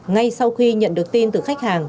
ngay sau khi nhận được tin từ khách hàng